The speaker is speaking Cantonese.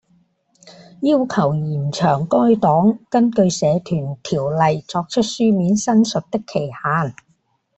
要求延長該黨根據《社團條例》作出書面申述的期限